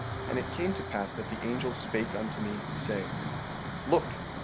14:18 And it came to pass that the angel spake unto me, saying: Look!